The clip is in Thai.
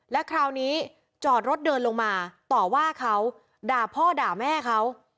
แล้วคราวนี้จอดรถเดินลงมาต่อว่าเขาด่าพ่อด่าแม่เขา